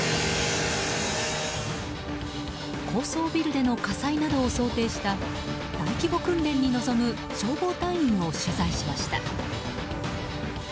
高層ビルでの火災などを想定した大規模訓練に臨む消防隊員を取材しました。